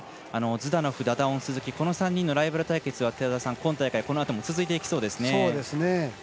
ズダノフ、ダダオン、鈴木この３人のライバル対決は今大会、続いていきそうですね。